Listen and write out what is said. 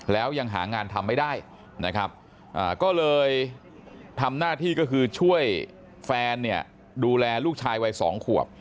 แล้วยังหางานทำไม่ได้นะครับก็เลยทำหน้าที่ก็คือช่วยแฟนเนี่ยดูแลลูกชายวัย๒ขวบ